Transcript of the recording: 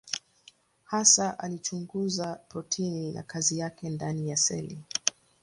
Hasa alichunguza protini na kazi yake ndani ya seli.